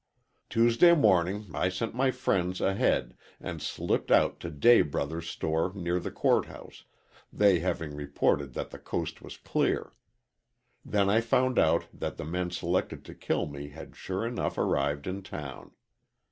"Tuesday morning I sent my friends ahead and slipped out to Day Brothers' store near the court house, they having reported that the coast was clear. Then I found out that the men selected to kill me had sure enough arrived in town.